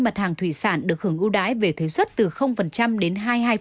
một nghìn hai trăm hai mươi mặt hàng thủy sản được hưởng ưu đái về thuế xuất từ đến hai mươi hai